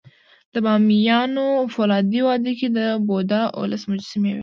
د بامیانو فولادي وادي کې د بودا اوولس مجسمې وې